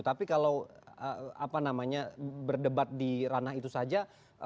tapi kalau berdebat di ranah itu saja